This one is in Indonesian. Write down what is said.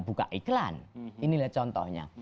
buka iklan inilah contohnya